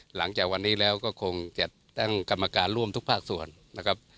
หลังจากวันนี้แล้วก็คงจะตั้งกรรมการร่วมทุกภาคส่วนนะครับ